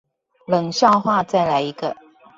冷笑話再來一個